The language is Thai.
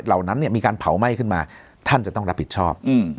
เหล่านั้นเนี่ยมีการเผาไหม้ขึ้นมาท่านจะต้องรับผิดชอบ